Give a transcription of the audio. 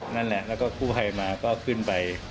นั่นแหละแล้วก็กู้ภัยมาก็ขึ้นไป